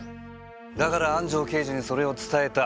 だから安城刑事にそれを伝えた。